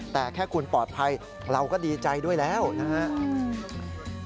แต่แค่คุณปลอดภัยเราก็ดีใจด้วยแล้วนะครับ